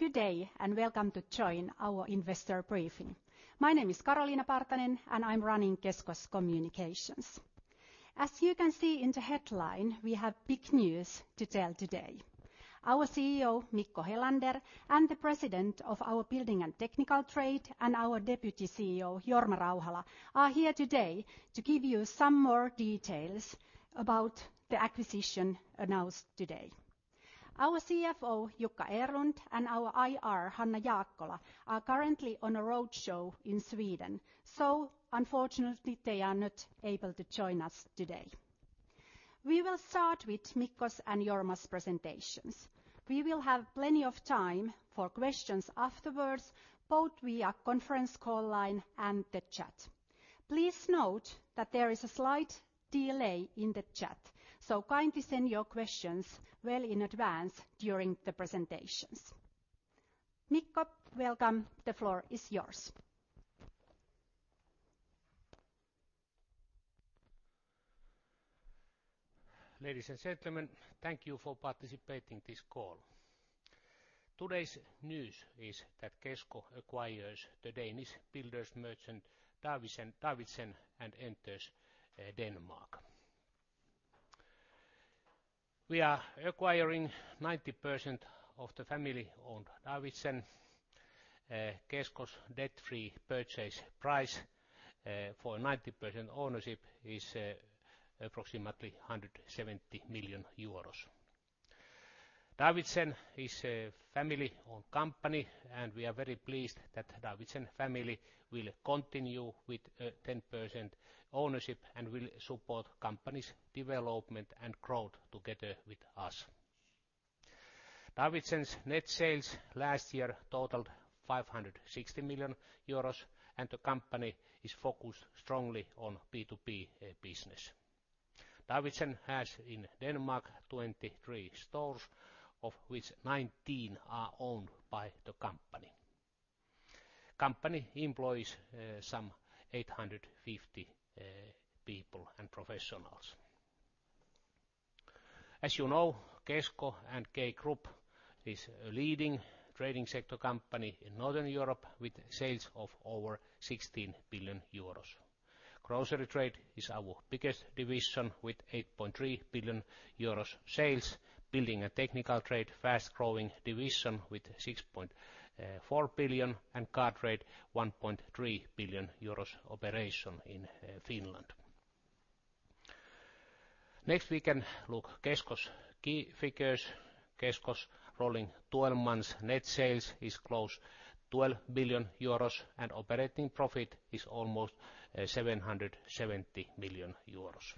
Good day. Welcome to join our investor briefing. My name is Karoliina Partanen. I'm running Kesko's Communications. As you can see in the headline, we have big news to tell today. Our CEO, Mikko Helander, and the President of our Building and Technical Trade, and our Deputy CEO, Jorma Rauhala, are here today to give you some more details about the acquisition announced today. Our CFO, Jukka Erlund, and our IR, Hanna Jaakkola, are currently on a road show in Sweden, so unfortunately, they are not able to join us today. We will start with Mikko's and Jorma's presentations. We will have plenty of time for questions afterwards, both via conference call line and the chat. Please note that there is a slight delay in the chat, so kindly send your questions well in advance during the presentations. Mikko, welcome. The floor is yours. Ladies and gentlemen, thank you for participating this call. Today's news is that Kesko acquires the Danish builders merchant Davidsen, Davidsen and enters, Denmark. We are acquiring 90% of the family-owned Davidsen. Kesko's debt-free purchase price, for 90% ownership is, approximately 170 million euros. Davidsen is a family-owned company, and we are very pleased that Davidsen family will continue with a 10% ownership and will support company's development and growth together with us. Davidsen's net sales last year totaled 560 million euros, and the company is focused strongly on B2B, business. Davidsen has in Denmark, 23 stores, of which 19 are owned by the company. Company employs, some 850, people and professionals. As you know, Kesko and K Group is a leading trading sector company in Northern Europe, with sales of over 16 billion euros. Grocery trade is our biggest division, with 8.3 billion euros sales. Building and Technical Trade, fast-growing division with 6.4 billion, and car trade, 1.3 billion euros operation in Finland. Next, we can look Kesko's key figures. Kesko's rolling 12 months net sales is close to 12 billion euros, and operating profit is almost 770 million euros.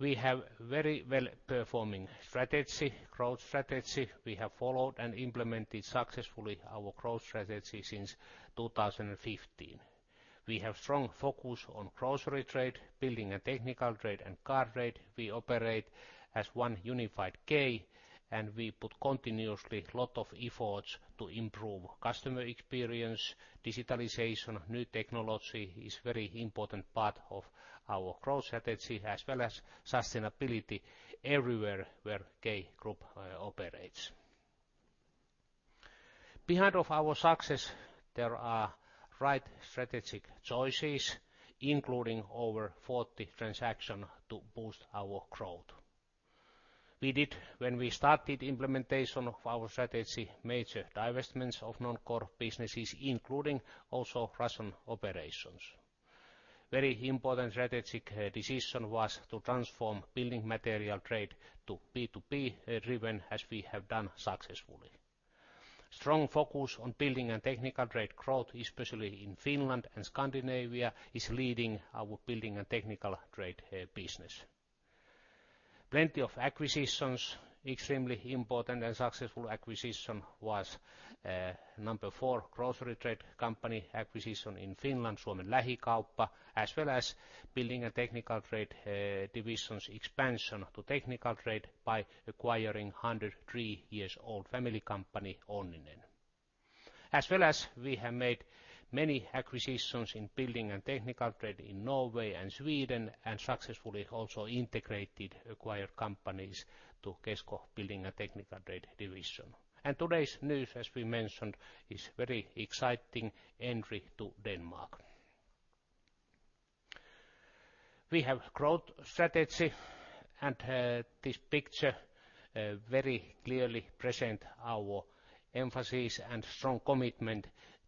We have very well-performing strategy, growth strategy. We have followed and implemented successfully our growth strategy since 2015. We have strong focus on grocery trade, Building and Technical Trade, and car trade. We operate as one unified K, and we put continuously a lot of efforts to improve customer experience. Digitalization, new technology is very important part of our growth strategy, as well as sustainability everywhere where K Group operates. Behind of our success, there are right strategic choices, including over 40 transactions to boost our growth. We did, when we started implementation of our strategy, major divestments of non-core businesses, including also Russian operations. Very important strategic decision was to transform building material trade to B2B driven, as we have done successfully. Strong focus on building and technical trade growth, especially in Finland and Scandinavia, is leading our building and technical trade business. Plenty of acquisitions, extremely important and successful acquisition was number 4, grocery trade company acquisition in Finland, Suomen Lähikauppa, as well as Building and Technical Trade divisions expansion to technical trade by acquiring 103 years old family company, Onninen. As well as we have made many acquisitions in Building and Technical Trade in Norway and Sweden, and successfully also integrated acquired companies to Kesko Building and Technical Trade division. Today's news, as we mentioned, is very exciting entry to Denmark. We have growth strategy, and this picture very clearly present our emphasis and strong commitment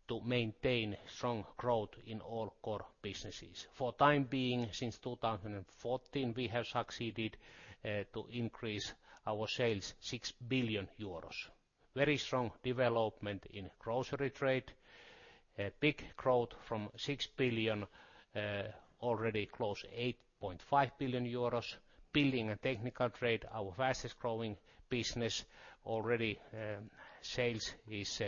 to maintain strong growth in all core businesses. For time being, since 2014, we have succeeded to increase our sales 6 billion euros. Very strong development in grocery trade, a big growth from 6 billion already close to 8.5 billion euros. Building and Technical Trade our fastest-growing business, already sales is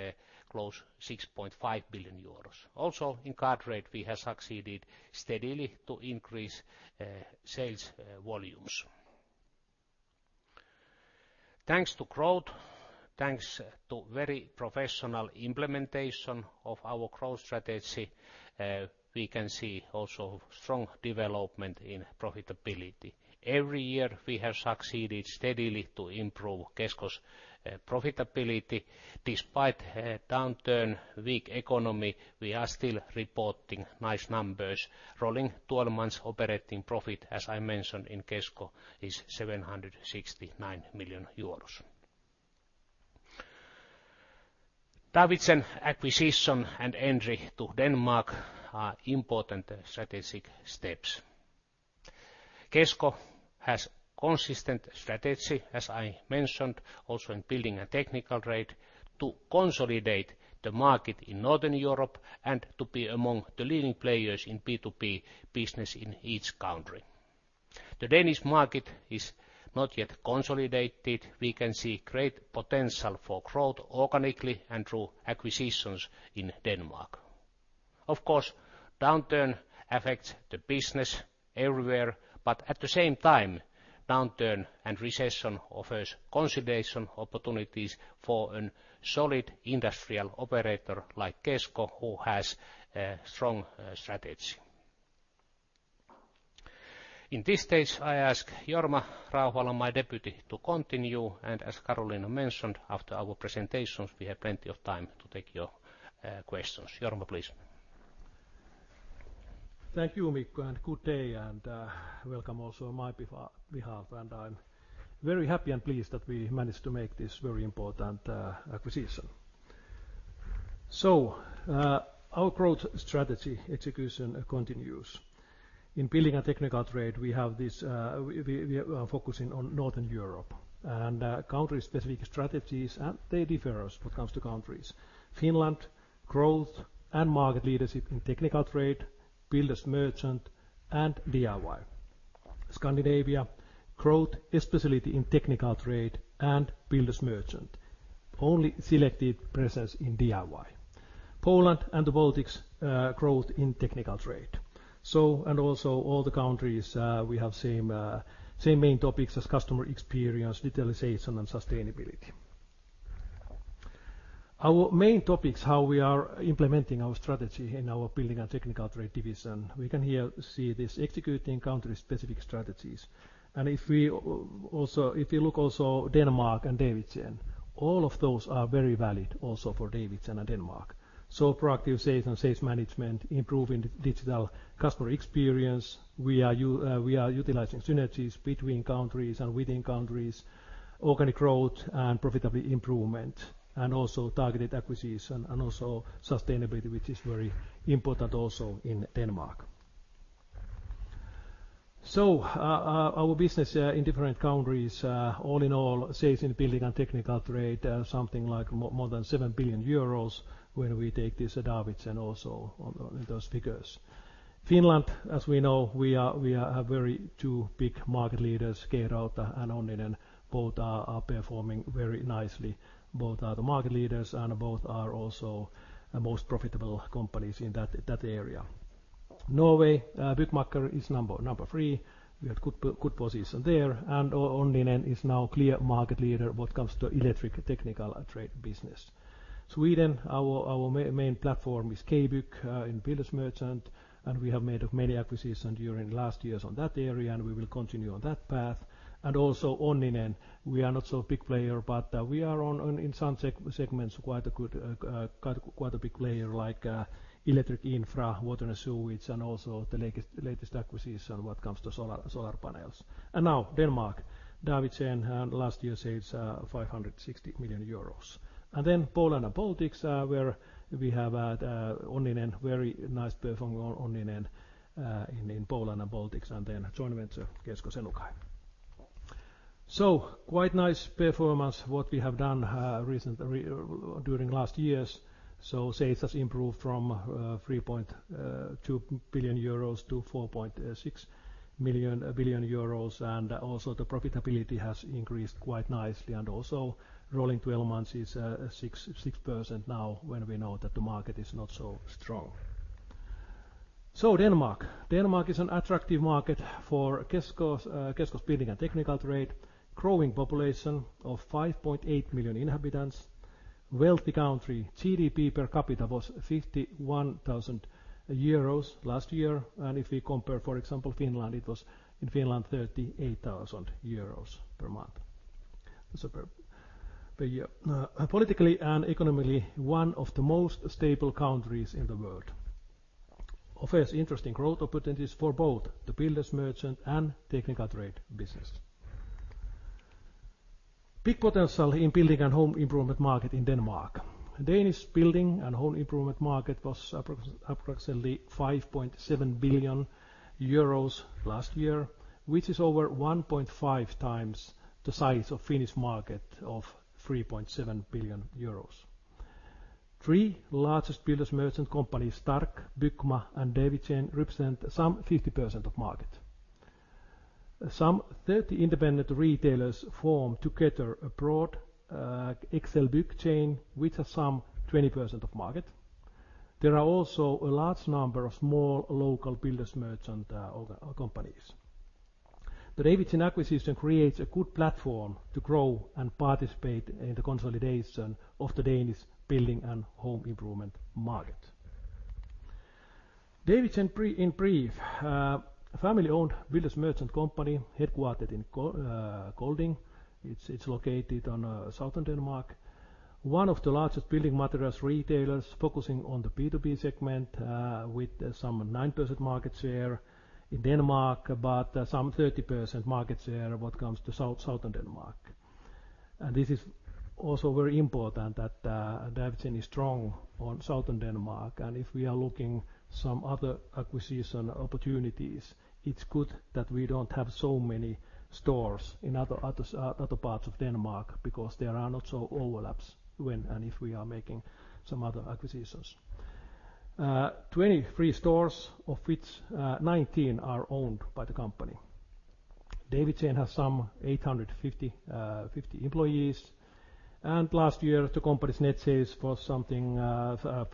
close 6.5 billion euros. In car trade, we have succeeded steadily to increase sales volumes. Thanks to growth, thanks to very professional implementation of our growth strategy, we can see also strong development in profitability. Every year, we have succeeded steadily to improve Kesko's profitability. Despite downturn, weak economy, we are still reporting nice numbers. Rolling 12 months operating profit, as I mentioned, in Kesko is 769 million euros. Davidsen acquisition and entry to Denmark are important strategic steps. Kesko has consistent strategy, as I mentioned, also in Building and Technical Trade, to consolidate the market in Northern Europe and to be among the leading players in B2B business in each country. The Danish market is not yet consolidated. We can see great potential for growth organically and through acquisitions in Denmark. Of course, downturn affects the business everywhere, but at the same time, downturn and recession offers consolidation opportunities for a solid industrial operator like Kesko, who has a strong strategy. In this stage, I ask Jorma Rauhala, my deputy, to continue, and as Karoliina mentioned, after our presentations, we have plenty of time to take your questions. Jorma, please. Thank you, Mikko. Good day. Welcome also on my behalf, I'm very happy and pleased that we managed to make this very important acquisition. Our growth strategy execution continues. In Building and Technical Trade, we have this. We are focusing on Northern Europe and country-specific strategies, and they differ as what comes to countries. Finland, growth and market leadership in technical trade, builders merchant, and DIY. Scandinavia, growth, especially in technical trade and builders merchant. Only selected presence in DIY. Poland and the Baltics, growth in technical trade. Also all the countries, we have same, same main topics as customer experience, digitalization, and sustainability. Our main topics, how we are implementing our strategy in our Building and Technical Trade division, we can here see this: executing country-specific strategies. If you look also Denmark and Davidsen, all of those are very valid also for Davidsen and Denmark. Proactive sales and sales management, improving digital customer experience. We are utilizing synergies between countries and within countries, organic growth and profitability improvement, and also targeted acquisition, and also sustainability, which is very important also in Denmark. Our business in different countries, all in all, sales in Building and Technical Trade, something like more than 7 billion euros when we take this Davidsen also on, on those figures. Finland, as we know, we are, we are a very 2 big market leaders, K-Rauta and Onninen, both are, are performing very nicely. Both are the market leaders, and both are also the most profitable companies in that, that area. Norway, Byggmakker is number 3. We have good good position there. Onninen is now clear market leader when it comes to electric, technical, and trade business. Sweden, our, our main platform is K-Bygg in builders merchant, we have made of many acquisitions during last years on that area, and we will continue on that path. Also Onninen, we are not so big player, but we are on, on in some segments, quite a good, quite, quite a big player, like electric infra, water and sewage, also the latest, latest acquisition when it comes to solar, solar panels. Now, Denmark. Davidsen had last year's sales, 560 million euros. Then Poland and Baltics, where we have Onninen, very nice performing Onninen, in, in Poland and Baltics, then a joint venture, Kesko Senukai. Quite nice performance what we have done, recent, during last years. Sales has improved from 3.2 billion euros to 4.6 billion euros, also the profitability has increased quite nicely. Also rolling twelve months is 6% now, when we know that the market is not so strong. Denmark. Denmark is an attractive market for Kesko's Kesko's Building and Technical Trade. Growing population of 5.8 million inhabitants. Wealthy country, GDP per capita was 51,000 euros last year, if we compare, for example, Finland, it was in Finland, 38,000 euros per month. Per, per year. Politically and economically, one of the most stable countries in the world. Offers interesting growth opportunities for both the builders merchant and technical trade business. Big potential in building and home improvement market in Denmark. Danish building and home improvement market was approximately 5.7 billion euros last year, which is over 1.5 times the size of Finnish market of 3.7 billion euros. Three largest builders merchant companies, Stark, Bygma, and Davidsen, represent some 50% of market. Some 30 independent retailers form together a broad XL-BYG chain, which are some 20% of market. There are also a large number of small, local builders merchant or companies. The Davidsen acquisition creates a good platform to grow and participate in the consolidation of the Danish building and home improvement market. Davidsen, brief, in brief, family-owned builders merchant company, headquartered in Kolding. It's, it's located on southern Denmark. One of the largest building materials retailers focusing on the B2B segment, with some 9% market share in Denmark, but, some 30% market share when it comes to southern Denmark. This is also very important that Davidsen is strong on southern Denmark, and if we are looking some other acquisition opportunities, it's good that we don't have so many stores in other parts of Denmark, because there are not so overlaps when and if we are making some other acquisitions. 23 stores, of which, 19 are owned by the company. Davidsen has some 850 employees, and last year, the company's net sales was something,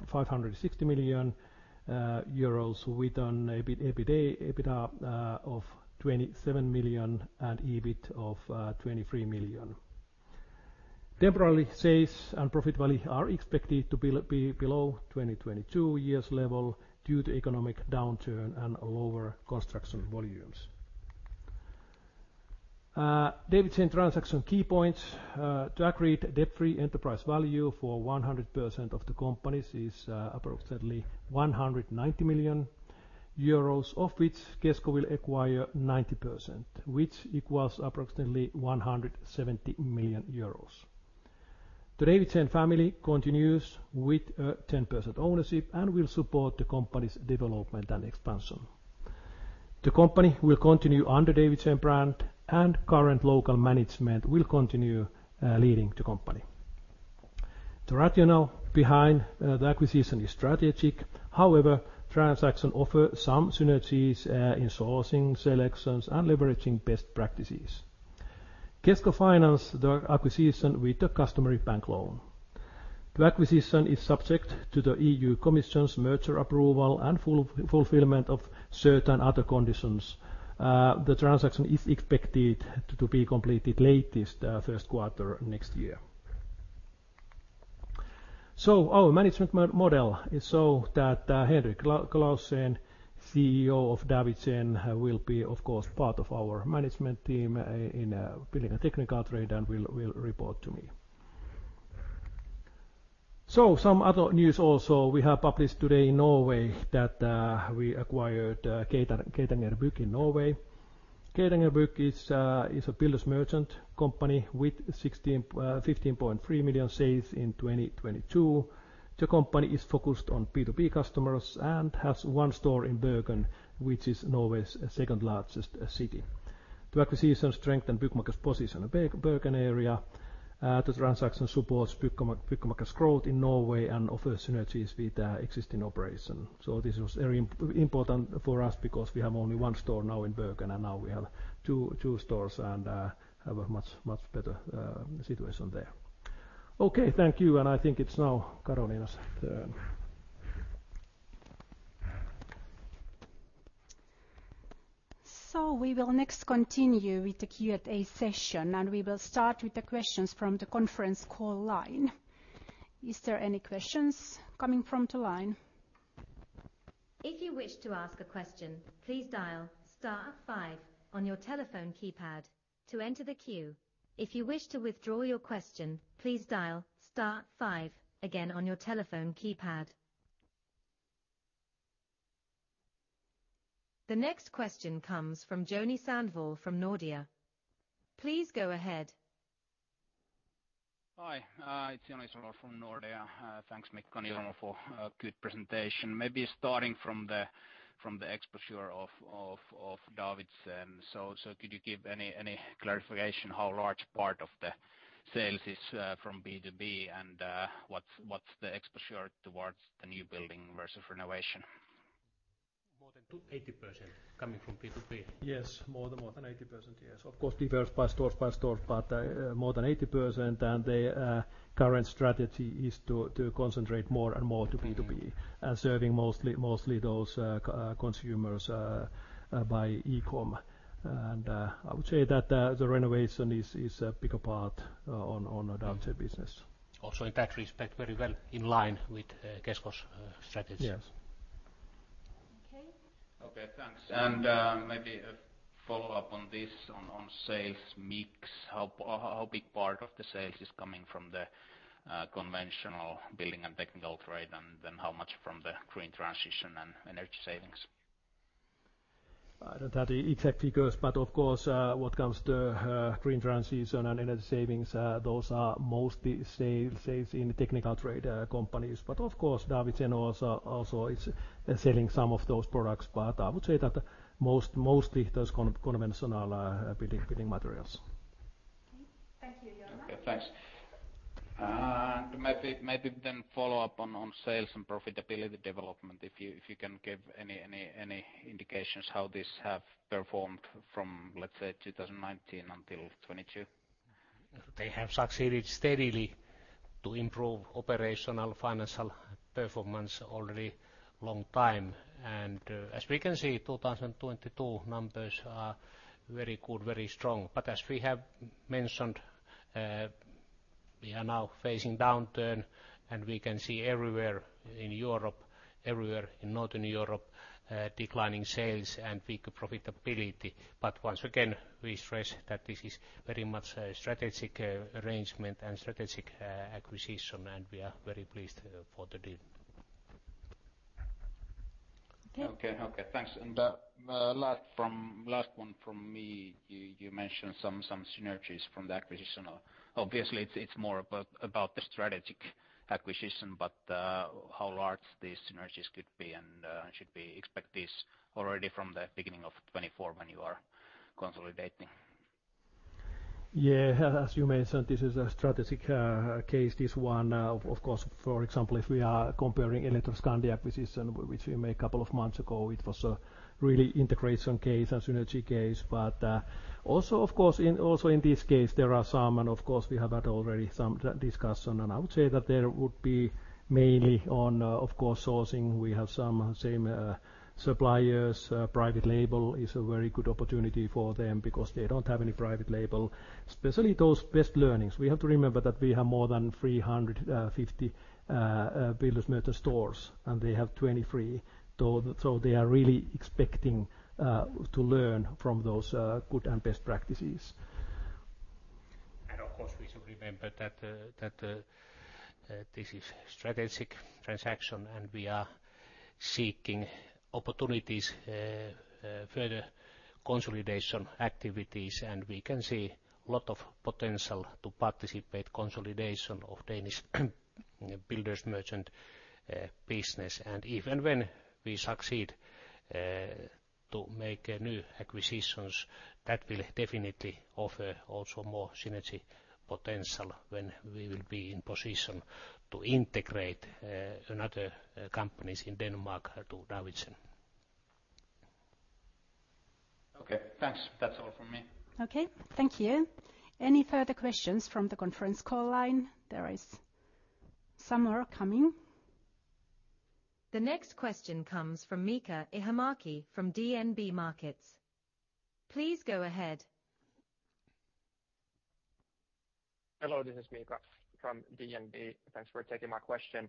560 million euros, with an EBITDA of 27 million and EBIT of 23 million. Temporarily, sales and profitability are expected to be below 2022 year's level due to economic downturn and lower construction volumes. Davidsen transaction key points, to agreed debt-free enterprise value for 100% of the companies is approximately 190 million euros, of which Kesko will acquire 90%, which equals approximately 170 million euros. The Davidsen family continues with a 10% ownership and will support the company's development and expansion. The company will continue under Davidsen brand, and current local management will continue leading the company. The rationale behind the acquisition is strategic. However, transaction offer some synergies in sourcing, selections, and leveraging best practices. Kesko finance the acquisition with the customary bank loan. The acquisition is subject to the European Commission's merger approval and fulfillment of certain other conditions. The transaction is expected to be completed latest, first quarter next year. Our management model is so that Henrik Clausen, CEO of Davidsen, will be, of course, part of our management team in Building and Technical Trade, and will report to me. Some other news also, we have published today in Norway that we acquired Geitanger Bygg in Norway. Geitanger Bygg is a builders merchant company with 15.3 million sales in 2022. The company is focused on B2B customers and has one store in Bergen, which is Norway's second-largest city. The acquisition strengthen Byggmakker's position in Bergen area. The transaction supports Byggmakker's growth in Norway and offers synergies with the existing operation. This was very im- important for us because we have only 1 store now in Bergen, and now we have two, two stores and have a much, much better situation there. Okay, thank you, and I think it's now Karoliina's turn. We will next continue with the Q&A session, and we will start with the questions from the conference call line. Is there any questions coming from the line? If you wish to ask a question, please dial star five on your telephone keypad to enter the queue. If you wish to withdraw your question, please dial star five again on your telephone keypad. The next question comes from Joni Sandvall from Nordea. Please go ahead. Hi, it's Joni Sandvall from Nordea. Thanks, Mikko and Jorma, for a good presentation. Maybe starting from the exposure of Davidsen, so could you give any clarification how large part of the sales is from B2B, and what's the exposure towards the new building versus renovation? More than 80% coming from B2B. Yes, more than, more than 80%. Yes, of course, differs by store by store, but more than 80%, and the current strategy is to concentrate more and more to B2B. Okay... and serving mostly, mostly those consumers by e-commerce. I would say that the renovation is, is a bigger part on, on a Davidsen business. Also, in that respect, very well in line with Kesko's strategies. Yes. Okay. Okay, thanks. Maybe a follow-up on this, on, on sales mix. How, how big part of the sales is coming from the, conventional Building and Technical Trade, and then how much from the green transition and energy savings? That exact figures, but of course, when it comes to green transition and energy savings, those are mostly sales in technical trade companies. Of course, Davidsen also is selling some of those products, but I would say that mostly those conventional building materials. Okay. Thank you, Jorma. Okay, thanks. And maybe, maybe then follow up on, on sales and profitability development, if you, if you can give any, any, any indications how this have performed from, let's say, 2019 until 2022? They have succeeded steadily to improve operational, financial performance already long time. As we can see, 2022 numbers are very good, very strong. But as we have mentioned, we are now facing downturn, and we can see everywhere in Europe, everywhere in Northern Europe, declining sales and weaker profitability. But once again, we stress that this is very much a strategic arrangement and strategic acquisition, and we are very pleased for the deal. Okay. Okay, okay, thanks. Last one from me: you, you mentioned some, some synergies from the acquisition. Obviously, it's, it's more about, about the strategic acquisition, but, how large these synergies could be and, should we expect this already from the beginning of 2024 when you are consolidating? Yeah, as you mentioned, this is a strategic case, this one. Of course, for example, if we are comparing Elektroskandia acquisition, which we made a 2 months ago, it was a really integration case and synergy case. Also, of course, also in this case, there are some, of course, we have had already some discussion. I would say that there would be mainly on, of course, sourcing. We have some same suppliers. Private label is a very good opportunity for them because they don't have any private label, especially those best learnings. We have to remember that we have more than 350 builders merchant stores, and they have 23. They are really expecting to learn from those good and best practices. Of course, we should remember that this is strategic transaction, and we are seeking opportunities, further consolidation activities. We can see a lot of potential to participate consolidation of Danish builders merchant business. If and when we succeed to make new acquisitions, that will definitely offer also more synergy potential when we will be in position to integrate another companies in Denmark to Davidsen. Okay, thanks. That's all from me. Okay, thank you. Any further questions from the conference call line? There is some more coming. The next question comes from Miikka Ihamäki from DNB Markets. Please go ahead. Hello, this is Mika from DNB. Thanks for taking my question.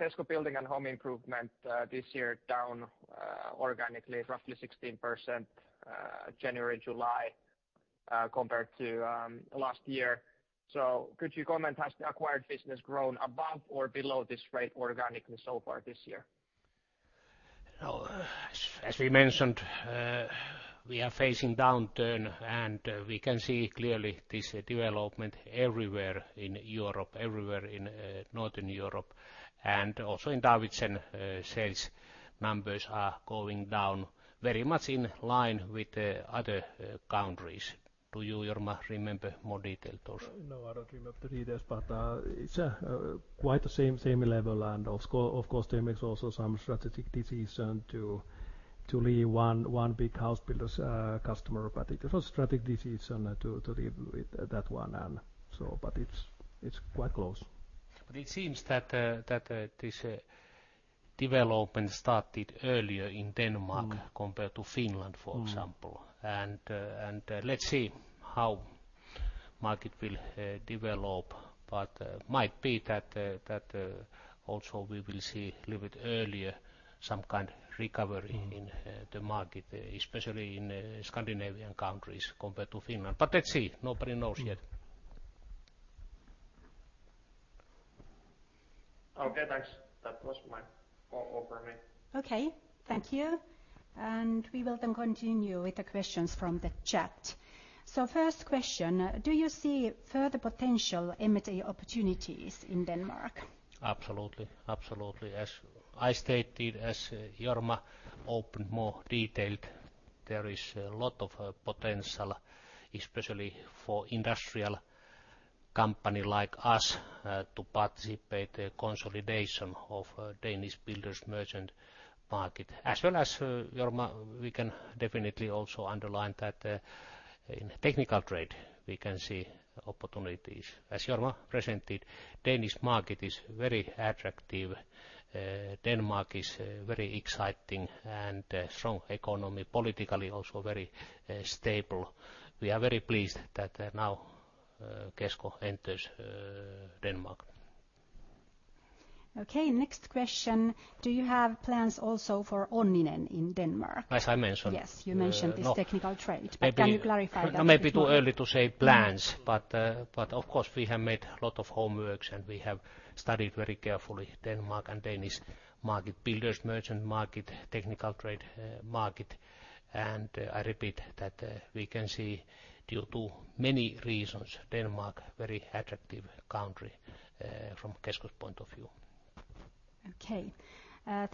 Kesko Building and Home Improvement, this year down, organically, roughly 16%, January, July, compared to last year. Could you comment, has the acquired business grown above or below this rate organically so far this year? Well, as, as we mentioned, we are facing downturn, and we can see clearly this development everywhere in Europe, everywhere in Northern Europe. Also in Davidsen, sales numbers are going down very much in line with the other countries. Do you, Jorma, remember more detail, those? No, I don't remember the details, but, it's, quite the same, same level. Of course, of course, they make also some strategic decision to, to leave one, one big house builder's, customer. It was strategic decision to, to leave it, that one, and so. It's, it's quite close. It seems that, that, this development started earlier in Denmark. Mm. compared to Finland Mm. For example. And, let's see how market will, develop, but, might be that, that, also we will see a little bit earlier some kind of recovery. Mm... in the market, especially in Scandinavian countries compared to Finland. Let's see! Nobody knows yet. Mm. Okay, thanks. That was my all for me. Okay, thank you. We will then continue with the questions from the chat. First question: Do you see further potential M&A opportunities in Denmark? Absolutely, absolutely. As I stated, as Jorma opened more detailed, there is a lot of potential, especially for industrial company like us, to participate the consolidation of Danish builders' merchant market. As well as Jorma, we can definitely also underline that in technical trade, we can see opportunities. As Jorma presented, Danish market is very attractive. Denmark is very exciting and a strong economy, politically, also very stable. We are very pleased that now Kesko enters Denmark. Okay, next question: Do you have plans also for Onninen in Denmark? As I mentioned- Yes, you mentioned- No. this technical trade. Maybe- Can you clarify that? May be too early to say plans, but of course, we have made a lot of homework, and we have studied very carefully Denmark and Danish market, builders merchant market, technical trade, market. I repeat that, we can see, due to many reasons, Denmark very attractive country, from Kesko's point of view. Okay.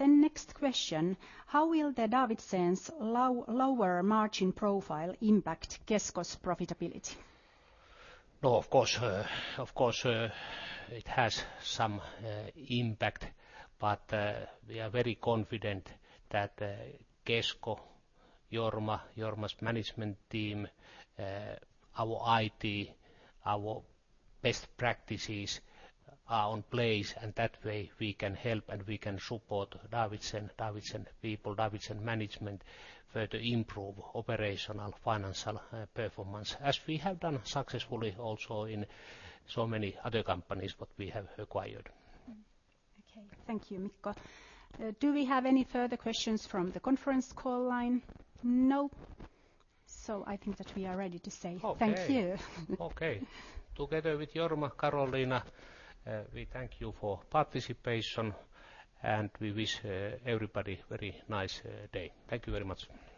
next question: How will the Davidsen's low-lower margin profile impact Kesko's profitability? No, of course, of course, it has some impact, but we are very confident that Kesko, Jorma, Jorma's management team, our IT, our best practices are on place, and that way, we can help, and we can support Davidsen, Davidsen people, Davidsen management further improve operational, financial, performance, as we have done successfully also in so many other companies that we have acquired. Okay. Thank you, Mikko. Do we have any further questions from the conference call line? No. I think that we are ready to say thank you. Okay. Okay. Together with Jorma, Karoliina, we thank you for participation, and we wish everybody very nice day. Thank you very much.